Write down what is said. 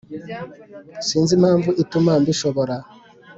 Sinzi impamvu ituma mbishobora